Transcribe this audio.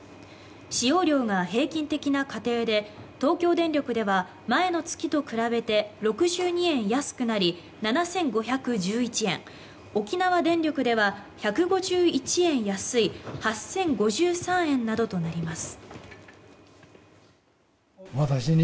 使用量が平均的な家庭で東京電力では前の月と比べて６２円安くなり７５１１円沖縄電力では１５１円安い８０５３円などとなります。